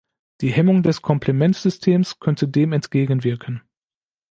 Die Hemmung des Komplementsystems könnte dem entgegenwirken.